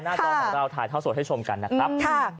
จอของเราถ่ายเท่าสดให้ชมกันนะครับ